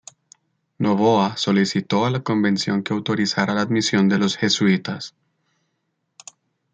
Noboa solicitó a la Convención que autorizara la admisión de los jesuitas.